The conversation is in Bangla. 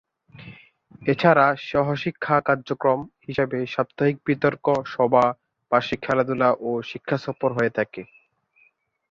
এছাড়া সহ-শিক্ষা কার্যক্রম হিসেবে সাপ্তাহিক বিতর্ক সভা, বার্ষিক খেলাধুলা ও শিক্ষা সফর হয়ে থাকে।